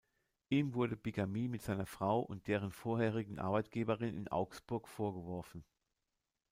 Ihm wurde Bigamie mit seiner Frau und deren vorherigen Arbeitgeberin in Augsburg vorgeworfen.